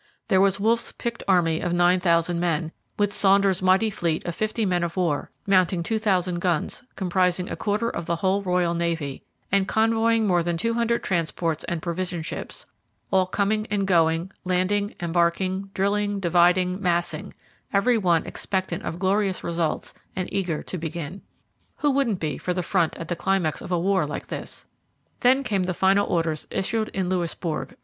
There was Wolfe's picked army of nine thousand men, with Saunders's mighty fleet of fifty men of war, mounting two thousand guns, comprising a quarter of the whole Royal Navy, and convoying more than two hundred transports and provision ships; all coming and going, landing, embarking, drilling, dividing, massing; every one expectant of glorious results and eager to begin. Who wouldn't be for the front at the climax of a war like this? Then came the final orders issued in Louisbourg.